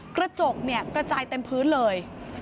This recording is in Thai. กระจกเนี่ยกระจายเต็มพื้นเลย